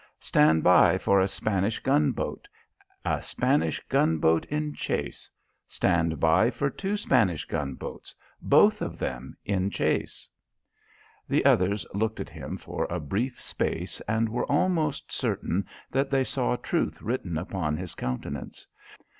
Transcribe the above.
Stand by for a Spanish gunboat. A Spanish gunboat in chase! Stand by for two Spanish gunboats both of them in chase!" The others looked at him for a brief space and were almost certain that they saw truth written upon his countenance.